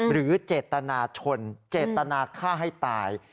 หรือเจตนาชนเจตนาฆ่าให้ตาย